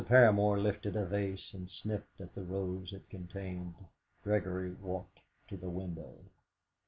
Paramor lifted a vase and sniffed at the rose it contained; Gregory walked to the window.